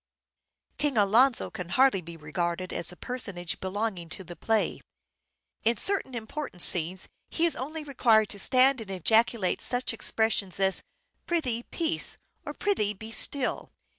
King Alonso can hardly be regarded as a personage belonging to the play. In certain important scenes he is only required to stand and ejaculate such expressions as " Prithee peace," or " Prithee be still."